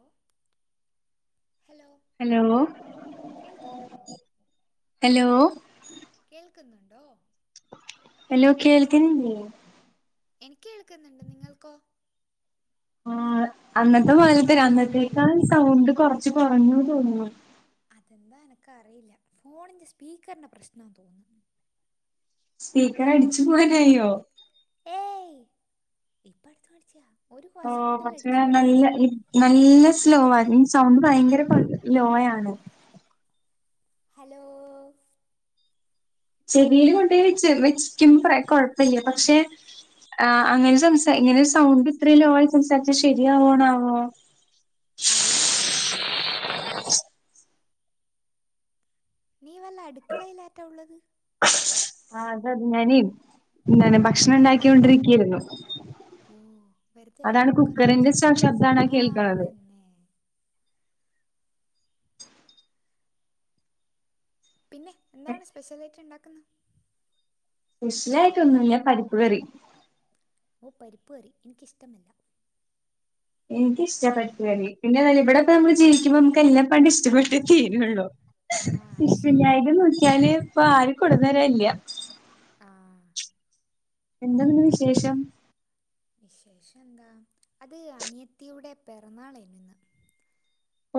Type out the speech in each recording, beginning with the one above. ഓ hello hello കേൾക്കുന്നുണ്ടോ hello കേൾക്ക്ന്ന്ണ്ടോ hello കേൾക്ക്ണില്ലേ എനിക്ക് കേൾക്ക്ന്ന്ണ്ട് നിങ്ങൾക്കോ ആഹ് അന്നത്തെ പോലത്തന്നെ അന്നത്തേക്കാൾ സൗണ്ട് കൊറച്ച് കൊറഞ്ഞു തോന്നുന്നു അതെന്താ എനക്ക്റിയില്ല ഫോണിന്റെ സ്പീക്കറിന്റെ പ്രശ്നാ തോന്ന് സ്പീക്കർ അടിച്ചു പോയതയ്യോ ഏയ് ഇപ്പട്ത്ത് പഠിച്ചാ ഓഹ് പച്ചയാ നല്ല ഈ നല്ല സ്ലോ ആണ് സൗണ്ട് ഭയങ്കര പതു ലോയാണ് ഹലോ ചെവീല് കൊണ്ടോയി വെച്ച് വെച്ചിട്ടും പ്ര കൊഴപ്പല്ല്യ പക്ഷെ ആഹ് അങ്ങനെ സംസാ ഇങ്ങനെ സൗണ്ട് ഇത്രേം ലോ ആയി സംസാരിച്ചാ ശരിയാവണാവോ അറിയില്ല നീ വല്ല അടുക്കളയിലാട്ടാ ഉള്ളത് അത് ഇങ്ങനിം ഇങ്ങനെ ഭക്ഷണം ഇണ്ടാക്ക്യോണ്ടിരിക്കെര്ന്നു ഓഹ് വെറ്തെല്ല കുക്കറിന്റെ പോലത്തെ സൗണ്ട് ശബ്ദാണ് ആഹ് കേൾക്കണത് അതന്നെ പിന്നെ എന്താണ് സ്പെഷ്യലായിട്ട് ഇണ്ടാക്ക്ന്നേ സ്പെഷ്യലായിട്ടോന്നുല്ല പരിപ്പ് കറി ഓഹ് പരിപ്പ്‌കറി എനിക്കിഷ്ട്ടമല്ല എനിക്ക് ഇഷ്ടാ മരിക്കാന് പിന്നെ ഇവിടെ ഇപ്പ നമ്മള് ജീവിക്ക നമുക്ക് എല്ലാ പാണ്ട് ഇഷ്ടപ്പെട്ട് തീരുള്ളൂ ആ അത് ശരിയാ ഇഷ്ടില്ലായ് നോക്കിയാല് ഇപ്പൊ ആരും കൊടുന്നരാൻല്യാ ആഹ് എന്താ നിങ്ങളെ വിശേഷം വിശേഷന്താ അത് അനിയത്തിയുടെ പെറന്നാളേനു ഇന്ന്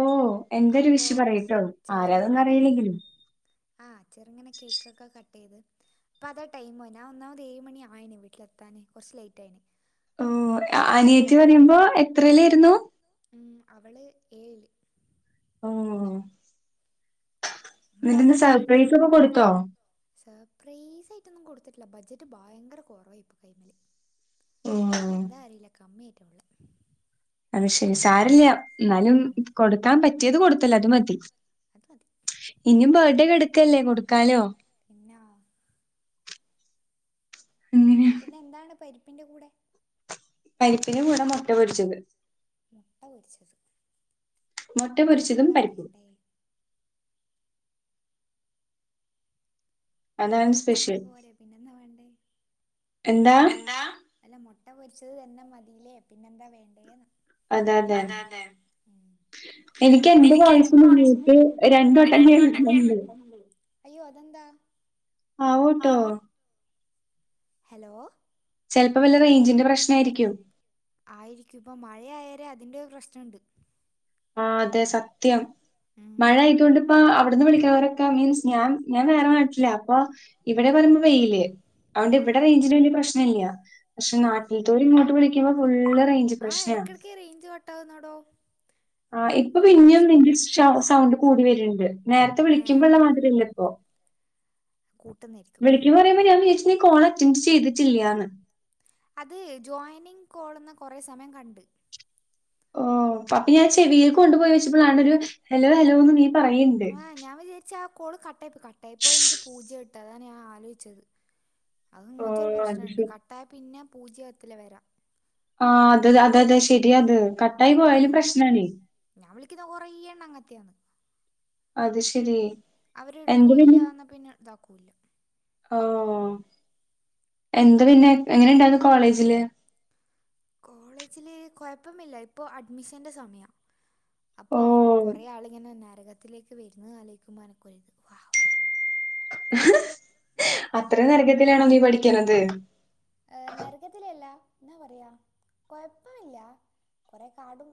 ഓഹ് എന്റോരു അപ്പോൾ വിഷ് പറയ്ട്ടോ ആരാന്നൊന്നും അറിയില്ലെങ്കിലും ആഹ് ചെറ്ങ്ങനെ കേക്കൊക്കെ കട്ടെയ്ത് ഇപ്പ അതാ ടൈമ് ഞാൻ ഒന്നാമത് ഏഴ് മണി ആയിന് വീട്ടിലെത്താന് കൊറച്ച് ലൈറ്റായിന് ഓഹ് അനിയത്തി പറയുമ്പോ എത്രേലേരുന്നു ഉം അവള് എഴിൽ ഓ അപ്പം അത് നിന്റെന്ന് കഴിഞ്ഞ് സർപ്രൈസ ഒക്കെ കൊടുത്തോ സർപ്രൈസ് ആയിട്ടൊന്നും കൊടുത്തിട്ടില്ല ബഡ്ജറ്റ് ഭയങ്കര കുറവായി ഇപ്പൊ കൈ്മല് ഓ എന്താ അറിയില്ല കമ്മി ആയിറ്റാ ഉള്ള അത് ശരി സാരല്ല്യഎന്നാലും കൊടുക്കാൻ പറ്റിയത് കൊടുത്തല്ല അത് മതി അത് മതി ഇനിയും ബർഡേ കടുക്കല്ലേ കൊടുക്കാലോ പിന്നെ [unintelligible] പിന്നെ എന്താണ് പരിപ്പിൻ്റെ കൂടെ പരിപ്പിന് കൂടെ മുട്ട പൊടിച്ചത് മുട്ട പൊരിച്ചത് മൊട്ടപൊരിച്ചതും പിന്നെന്താ പരിപ്പും വേണ്ടേ മുട്ട അതാണ് പൊരിച്ചന്നെ സ്പെഷ്യൽ പോരേ പിന്നെന്താ വേണ്ടേ എന്താ അല്ല മുട്ട പൊരിച്ചത് തന്നെ മതിലേ പിന്നെന്താ വേണ്ടേ അതെ അതെ എന്റെ എനിക്ക് [inaudible] വോയിസിന് മ്യൂട്ട് രണ്ടുവട്ടം കേൾക്കുന്നുണ്ട് അയ്യോ അതെന്താ ആവു ട്ടോ ഹലോ ചിലപ്പോ വല്ല റേഞ്ചിന്റെ പ്രശ്നം ആയിരിക്കും ആയിരിക്കും ഇപ്പ മഴയായേരെ അതിന്റെ ഒരു പ്രശ്നണ്ട് ആ അതെ സത്യം ഉം മഴ ആയിക്കൊണ്ട്ിപ്പ അവിടുന്ന് വിളിക്കുന്നവരൊക്കെ മീൻസ് ഞാൻ ഞാൻ വേറെ നാട്ടിലേ അപ്പൊ ഇവിടെ പറയുമ്പോ വെയില് അവണ്ട് ഇവിടെ ആഹ് റേഞ്ചിന് വലിയ പ്രശ് ഇല്ലല്ല പക്ഷെ ആഹ് നാട്ടിത്തോല് ഇങ്ങോട്ട് വിളിക്കുമ്പോ ഫുള്ള് റെയ് ആ ഇടയ്ക്കിടക്ക് റേഞ്ച് കട്ടാകുന്നാടോ ആ ഇപ്പൊ പിന്നും നിന്റെ സൗണ്ട് കൂടി വരുണ്ട് നേരത്തെ ഏഹ് വിളിക്കുമ്പോ ഉള്ള മാതിരില്ല ഇപ്പൊ കൂട്ട നിരി വിളിക്ക പറുമ്പോ ഞാൻ വിചാരിച്ചി നീ കോള അറ്റൻറ് ചെയ്തിട്ടില്ലാന്ന് അത് ജോയിനിങ് കോൾന്ന കുറെ സമയം കണ്ട് ഓ അപ്പൊ ഞാ ചെവീൽക്ക് കൊണ്ടുപോയി വെച്ചപ്പോൾ ഹലോ ഹലോന്ന് നീ പറയണ്ട് ആഹ ഞാൻ വിചാരിച്ച ആ കോള് കട്ടായിയിപ്പോയി കട്ടായിപ്പോയി എങ്ക പൂജ ഇട്ട് താണ് ഞാൻ ആലോചിച്ചത് അത് ഓ ഇങ്ങത്തെ ഒരു അത് പ്രശ്നമുണ്ട് ശരി. താ പിന്നെ പൂജ്യത്തില വരാം ആ അത അതതെ ശരിയാത് കട്ടായി പോയാലും ആഹ് പ്രശ്നാണേ ഞാൻ വിളിക്കത് കുററെ എണ്ണം അങ്ങത്തെയാണ് അത് ശരി എന്ത് അവരെടുക്കുല്ല പിന്നെ എന്നൽ പിന്നെ ഇതാക്കുല്ല ഓ എന്താ പിന്നെ എങ്ങനെ ഇണ്ടായിരുന്നു കോളേജില് കോളേജില് കുഴപ്പമില്ല ഇപ്പോ അഡ്മിഷന്റെ സമയ ഓ അപ്പോ കൊറേ ആളിങ്ങനെ നരകത്തിലേക്ക് വരുന്ന ആലോചിക്കുമ്പൊ അനക്കൊരുത് വാ അത്രയും നരകത്തിലാണോ നീ പഠിക്ക്ണത് ഏ നരകത്തിലല്ല എന്നാ പറയാ കൊഴപ്പം ഇല്ല കുറേ കാടും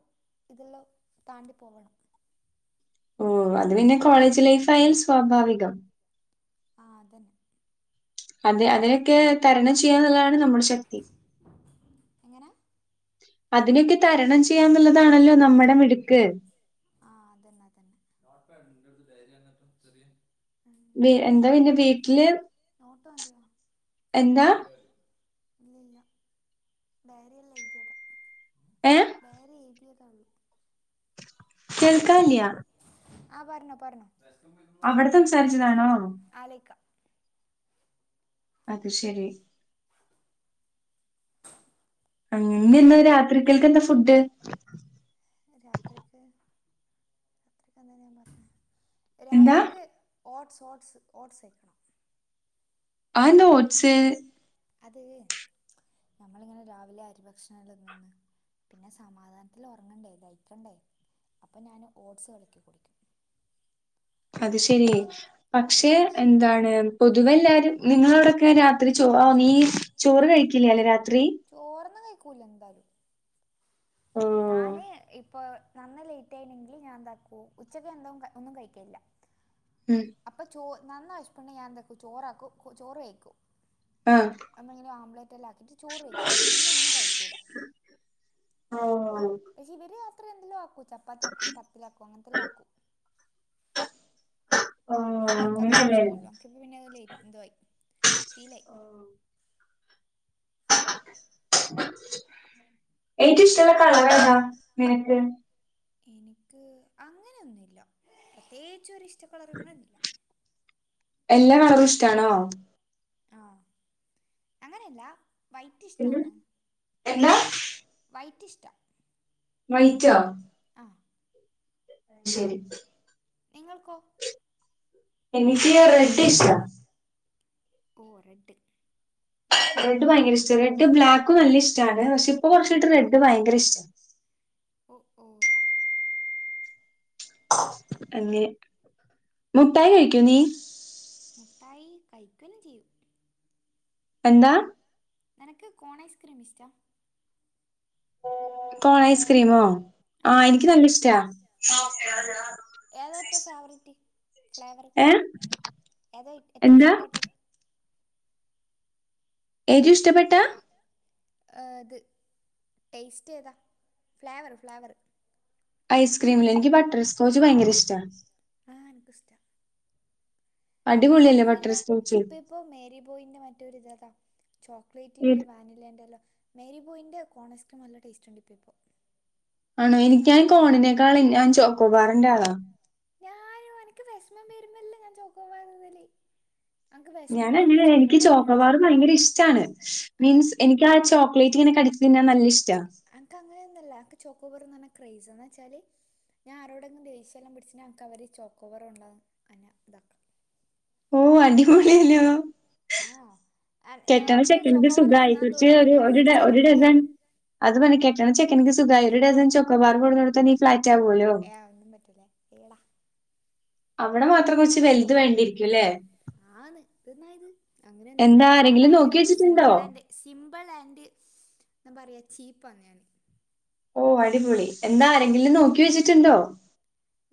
ഇതല്ലാം താണ്ടി പോകണം ഓ അത് പിന്നെ കോളേജ് ലൈഫായാൽ സ്വാഭാവികം ആ അതന്നെ അത് അതിനൊക്കെ തരണം ചെയ്യാന്നുള്ളതാണ് നമ്മുടെ ശക്തി എങ്ങനെ അതിനൊക്കെ തരണം ചെയ്യാന്നുള്ളതാണല്ലോ നമ്മുടെ മിടുക്ക് ആഹ് അതന്നെഅതന്നെ [unintelligible] വ എന്താ പിന്നെ വീട്ടില് നോട്ട് മതിയോ എന്താ ഇല്ല ഇല്ല വേറെയല്ല എയ്തിയത് ഏ വേറെ എയ്തിയതാണ് കേൾക്കാൻല്യാ ആഹ് പറഞ്ഞോ പറഞ്ഞോ അവിടെ സംസാരിച്ചതാണോ ആലോയ്ക്ക അത് ശരി അങ്ങന്ന രാത്രി കേൽക്ക് എന്താ ഫുഡ് രാത്രിക്ക് രാത്രിക്ക് ഞാൻ പറഞ്ഞ എന്താ രാത്രിക്ക് ഓട്സ് ഓട്സ് ഓട്സ് വയ്ക്കണം അതെന്താ ഓട്സ് അത് ഞമ്മളിങ്ങനെ രാവിലെ അരി ഭക്ഷണല്ലാം തിന്ന് പിന്നെ സമാധാനത്തിൽ ഉറങ്ങണ്ടേ ദയ്ക്കണ്ടേ അപ്പൊ ഞാൻ ഓട്സ് കലക്കി കുടിക്കും അത് ശരി യാ പക്ഷെ എന്താണ് പൊതുവെ എല്ലാരും നിങ്ങളോടൊക്കെ രാത്രി ചോ നീ ചോറ് കഴിക്കില്ലല്ലേ രാത്രി ചോറൊന്നും കഴിക്കൂല എന്താലും ഓ ഞാന് ഇപ്പൊ നന്ന ലേറ്റ് ആയിനെങ്കില് ഞാൻ എന്താക്കും ഉച്ചക്ക് എന്തോ ഒന്നും കഴിക്കെല്ല ഉം അപ്പം ചോ നന്ന വെശപ്പ് ഉണ്ടെ ഞാൻ എന്താക്കും ചോറാക്കും ചോറ് കയ്ക്കും ആ നമ്മൾ ങ്ങനെ ആംപ്ലേറ്റ് ആക്കിയിട്ട് ചോറ് കഴിക്കും പിന്നെ ഒന്നും കഴിക്കൂല [unintelligible] പക്ഷെ ഇവര് രാത്രി എന്തെലും ആക്കും ചപ്പാത്തിയാക്കും, പത്തില് ആക്കും അങ്ങനത്തെ എല്ലാം ആക്കും ഞാൻ കഴിക്കാത്തന്നെ അങ്ങനെല്ലേ പ്രശ്നേല്യാ നമക്കിപ്പ പിന്നെ അതല എന്തു വായി ഷീലായി എറ്റും ഇഷ്ടള്ള കളറ് ഏതാ നിനക്ക് എനിക്ക് അങ്ങനെയൊന്നു ഇല്ല പ്രത്യേകിച്ചും ഒരു ഇഷ്ടക്കളർ അങ്ങനെയൊന്നില്ല എല്ലാ കളറും ഇഷ്ടാണോ ആ അങ്ങനെയല്ല വൈറ്റ് ഇഷ്ടാന്ന് എന്താ വൈറ്റിഷ്ടാ മ്മ എണീറ്റോ ആഹ് ശരി നിങ്ങൾക്കോ എനിക്ക് റെഡ് ഇഷ്ടാ ഓ റെഡ് റെഡ് ഭയങ്ക ഇഷ്ട റെഡ് ബ്ലാക്കും നല്ല ഇഷ്ടമാണ് പക്ഷെ ഇപ്പൊ കുറച്ചായിട്ട് റെഡ് ഭയര ഇഷ്ടാണ് ഓ ഓ അങ്ങെ മുട്ടായി കഴിക്കോ നീ മുട്ടായി കഴിക്കെല്ലും ചെയ്യും എന്താ നെനക്ക് കോണ് ഐസ്ക്രീം ഇഷ്ട്ടാ? കോണ് ഐസ്ക്രീമോ? ആഹ് എനിക്ക് നല്ല ഇഷ്ട്ടാ. [inaudible] ഏഹ് ഏതാ റ്റവും ഫേവറേറ്റ്? ഫ്ലേവറ് ഏ ഏതാ [unintelligible] ഏറ്റവും എന്താ ഇഷ്ടപ്പെട്ടത്? എനിക്കി ഇഷ്ടപ്പെട്ട അത് ടേസ്റ്റ് ഏതാ ഫ്ലേവർ ഫ്ലേവർ ഐസ്ക്രീമില് എനിക്ക് ബട്ടർ സ്കോച്ച് ഭയങ്കര ഇഷ്ടാ ആ എനക്കും ഷ്ടാ അടിപൊളിയല്ലേ അൻക്കി ബട്ടർ പിന്നെ സ്കോച്ച് ഇപ്പൊ പ്പോ മേരി ബോയിന്റെ മറ്റൊരിത് അതാ ചോക്ലേറ്റിന്റെ വാനിലേന്റെല്ലോ മേരി ബോയിൻ്റെ കോണൈസ്ക്രീം നല്ല ടേസ്റ്റ്ണ്ട് ഇപ്പോൾ ഇപ്പോൾ ആണോ എനിക്ക് ഞാൻ കോണിനേക്കാൾ ഞാൻ ചോക്കോബാറിന്റെ ആളാ ഞാനും എനിക്ക് വെഷ്മം വരുമ്പല്ലേ ഞാൻ ചോക്കോബാർ തിന്നല്. അൻക്ക് ഞാൻ വെഷമം വരുമ്പോ അങ്ങനെണ്. എനിക്ക് ചോക്കോബാർ വേണം ചോക്കോബാറ് ഭയങ്കര ഇഷ്ടാണ്. ആഹ് മീൻസ് എനിക്ക് [unintelligible] ആ ചോക്ലേറ്റ് ഇങ്ങനെ കടിച്ചു തിന്നാൻ നല്ല ഇഷ്ട്ടാ. അൻക്ക് അങ്ങനെയൊന്നും അനക്ക് ചോക്കോബറെന്ന് പറഞ്ഞാ ക്രൈസാ എന്നുവച്ചാൽ ഞാൻ ആരോടെങ്കും ദേഷ്യയെല്ലാം പിടിച്ച ഞനക്ക് അവര് ചോക്കോബാറ് കൊണ്ടാ എന്നെ താക്കാ. ഓഹ് അടിപൊളി അല്ലോ? ആഹ് [inaudible] കെട്ട്ണ നമുക്ക് ചെക്കനക്ക് ചോക്കോബാർ സുഖായി. തിന്നാൻ കുറച്ച് തോന്നും അപ്പം ഞാൻ [unintelligible] ഒരു മേടിച്ച് ഒരു തരാൻ പറയും ഡസൺ അത് പിന്നെ കെട്ട്ണ ചെക്കൻക്ക് സുഖായി. ഒരു ഡസൻ ചോക്കോബാറ് കൊടുന്ന്കൊടുത്താൽ നീ ഫ്ലാറ്റ് ആവോ? ഏഹ്, അത് ഒന്നും പറ്റൂല. ഏടാ അവിടെ മാത്രം കൊറച്ച് വൽത് വേണ്ടിരിക്കുംല്ലേ? ആന്ന്, ത് ന്ന ഇത്. അങ്ങനെയൊന്നുല്ല. എന്താ ഞാൻ ആരെങ്കിലും നോക്കി ഭയങ്കര വെച്ചിട്ടുണ്ടോ സിമ്പിള് ആൻഡ്. സിമ്പിൾ ആൻഡ് ന്താ പറയുക ചീപ്പാ ഞാൻ. ഓ! അടിപൊളി. എന്താ? ആരെങ്കിലും നോക്കി വെച്ചി. ച്ചിണ്ടോ?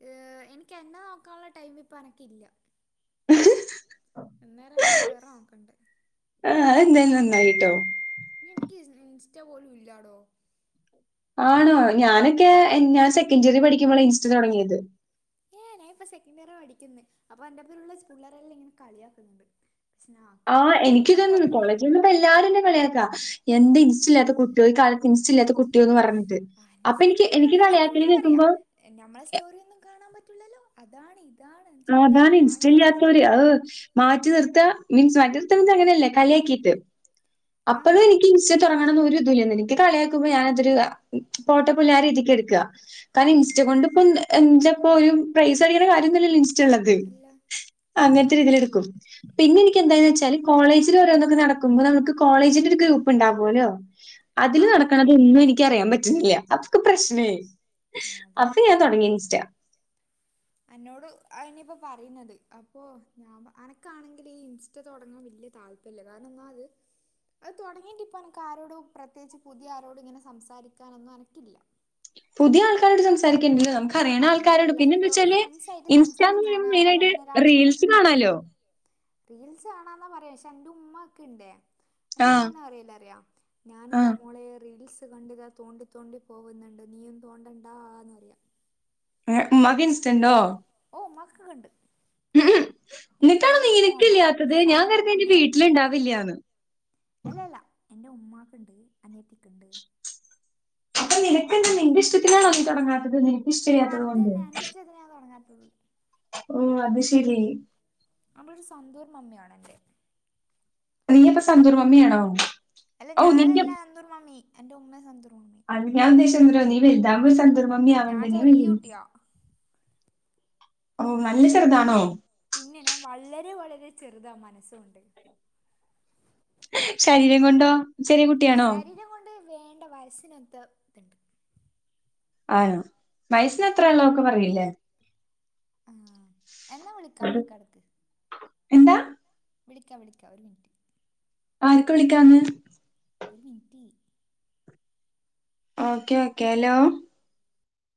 ഏ... എനിക്ക് എന്നെ നോക്കാനുള്ള ടൈമ് ഇപ്പോ അനക്കില്ല. [unintelligible] ഇന്നേരം ഞാൻ വേറെ നോക്കണ്ട്. ആഹ്, അത് എന്തായാലും നന്നായിട്ടോ. ഇൻക്ക് ഇസ്ൻ ഇൻസ്റ്റ പോലും ഇല്ലാടോ. ആണോ? ഞാനൊക്കേ എൻ ഞാൻ സെക്കൻഡിയറി പഠിക്കുമ്പോള ഇൻസ്റ്റ തൊടങ്ങിയത്. ഏഹ് ഞാനിപ്പോ സെക്കൻഡ് ഇയർ പഠിക്കുന്നെ അപ്പൊ എൻറെപ്പളള പുള്ളാരെല്ലാം ഇങ്ങനെ കളിയാക്കുന്നുണ്ട്. സ്ന ആക്കിയിട്ടില്ല അനക്കെന്തോ ഇന്നിപ്പോ എല്ലാരും എന്നെ കളിയാക്കാ. എന്ത് ഇൻസ്റ്റല്ലാത്ത കുട്ടിയോ ഈ കാലത്ത് ഇൻസ്റ്റല്ലാത്ത കുട്ടിയോ? ന്ന് പറഞ്ഞ് ആ [unintelligible] അപ്പൊ എനിക്ക് എനിക്ക് കളിയാക്കല് കേൾക്കുമ്പം എ ഞമ്മളെ സ്റ്റോറിയൊന്നും കാണാൻ പറ്റുല്ലല്ലോ. അതാണെ. നോഗാന് ഇൻസ്റ്റ ഇല്ലാത്തോല്. അഹ്... മാറ്റി നിർത്താ. മിൻസ് മാറ്റി നിർത്ത എന്നറഞ്ഞാ അങ്ങനെയല്ല കളിയാക്കിയിട്ട്. ആ അപ്പളും എനിക്ക് ഇൻസ്റ്റ തൊടങ്ങണംന്ന് ഒരു ഇതും ഇല്ലായ [unintelligible] നി. ജ് കളിയാക്കുമ്പോ ഞാജരു അ പോട്ടപ്പുല്ല് ആ രീതിക്ക് എടുക്കാ. കാരണം ഇൻസ്റ്റ ആ കൊണ്ട് ഇപ്പൊ എന്റെ എഞ്ചപ്പ ഒരു പ്രൈസ് അടിക്കണ കാര്യൊന്നുല്ലല്ലോ ഇൻസ്റ്റള്ളത്. ഇല്ല അങ്ങൻത്തെ രീതില് എടുക്കു. പിന്നെ എനിക്ക് എന്താന്ന് വെച്ചാല് കോളേജില് ഓരോന്നൊക്കെ നടക്കുമ്പോ നമുക്ക് കോളേജിന്റെ ഒരു ഗ്രൂപ്പ് ഉണ്ടാവൊല്ലോ. ആ അതില് ആ നടക്കണതൊന്നും എനിക്ക് അറിയാൻ പറ്റുന്നില്ല. അതൊക്കെ പ്രശ്നേ. [unintelligible] അപ്പൊ അതന്നെ ഞാൻ തൊടങ്ങി. ഇൻസ്റ്റ. അന്നോട് അതന്നെപ്പോ പറയുന്നത്. അപ്പൊ ഞാൻ പ അനക്കാണെങ്കില് ഈ ഇൻസ്റ്റ തൊടങ്ങും വല്ല്യ താൽ- ഇല്ല കാരണം ഒന്നാ അത്. അത് തുടങ്ങിയ ങ്കിപ്പ [unintelligible] ആരോടും പ്രത്യേകിച്ച് പുതിയ ആരോടും ഇങ്ങനെ സംസാരിക്കാനൊന്നും അനക്കില്ല. പുതിയ ആൾക്കാരോട് സംസാരിക്കാണ്ടെങ്കിൽ നമ്മുക്ക് പറയണ ആൾക്കാരോട് അങ്ങനെയല്ല പിന്നെ എന്തു ഇപ്പോൾ വെച്ചാല് ഫ്രണ്ട്സായിട്ട് ഇൻസ്റ്റന്ന് [unintelligible] സംസാരിക്കാനായാലും മെയിനായിട്ട് അങ്ങനെ ഒരാളില്ല റീൽസ് കാണാലോ. [inaudible] റീൽസ് കാണാന്നാ പറയക പക്ഷേ എന്റെ ഉമ്മ ഒക്കെയിണ്ടേ എന്റെ ആഹ് ഉമ്മാന് ആരേല്ലാം അറിയാം ഞാനിതാ ആഹ് മോളെ റീൽസ് കണ്ട് കാ തോണ്ടി തോണ്ടി പോവ്ന്ന്ണ്ട്. നീയും തോണ്ടണ്ടാ.... ന്ന് പറയ. എ മ്മാക്ക് ഇൻസ്റ്റണ്ടോ? ഓ ഉമ്മാക്കൊക്കെണ്ട്. എന്റെ എന്നിട്ടാണോ ന്യൂ മോമ്മ. നിനക്കില്ലാത്തത് ഞാൻ സന്തൂർ കരുതി എന്റെ മമ്മയാന്ന്. വീട്ടിലുണ്ടാവില്ലാന്ന് എല്ല എല്ല, എൻ്റെ ഉമ്മാക്ക്ണ്ട്. അനിയത്തിക്ക്ണ്ട്. അപ്പൊ നിനക്ക് എന്താ? നിന്റെ ഇഷ്ടത്തിനാണോ നീ തൊടങ്ങാത്തത്? നിനക്ക് ആ ഇഷ്ടില്ലാത്തത് അത് കൊണ്ട്. [unintelligible] ഞാൻ തൊടങ്ങാത്തത്. [inaudible] ഓ അത് ശരി അവളൊരു സന്തൂർ മമ്മിയാണ് അല്ലെ. നീയപ്പോ സന്തൂർ മമ്മിയാണോ? അല്ല ഓ നിന്റെ ഞാനല്ല സന്തൂർ മമ്മി എന്റെ ഉമ്മയാ സന്തൂർ മമ്മി അത് ഞാൻ ഉദ്ദേശിച്ചത് എന്തരോ നീ വലുതാവുമ്പോ സന്തൂർ മമ്മി ഞാൻ ആകേണ്ടി ചെറിയ [unintelligible] കുട്ടിയാ ഓ നല്ല ചെറുതാണോ പിന്നെ ഞാൻ വളരെ വളരെ ചെറുതാ മനസൊണ്ട്. ശരീരം കൊണ്ടോ? ചെറിയ കുട്ടിയാണോ ശരീരം കൊണ്ട് വേണ്ട വയസിനൊത്ത തുണ്ട്. ആനോ വയസിന് യാ. എത്ര ഉള്ളോക്കെ പറയില്ലേ. ആ എന്നാ വിളിക്ക ട്ക്ക് ട്ക്ക്. എന്താ വിളിക്കാം വിളിക്കാം ഒരു മിനിറ്റ്. ആരൊക്കെ വിളിക്കാന്ന് ഒരു മിൻറ്റ്. Okay okay hello